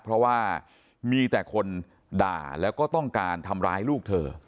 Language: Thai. เพราะว่ามีแต่คนด่าแล้วก็ต้องการทำร้ายลูกเธอ